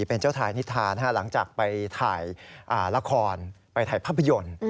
เป็นเจ้าทายนิทานหลังจากไปถ่ายละครไปถ่ายภาพยนตร์